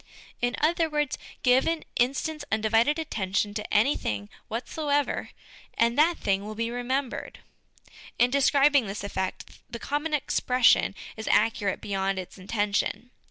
In other words, give an instant's undivided attention to any tiling whatsoever, and that thing will be remembered. In describing this effect, the common expression is accurate beyond its intention.